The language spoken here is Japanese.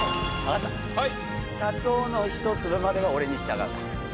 砂糖のひと粒までが俺に従う。